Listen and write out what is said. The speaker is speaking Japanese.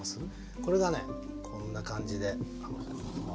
これがねこんな感じで。